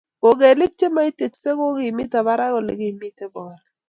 kogelik chemaitikse kogimito barak olemiten bolik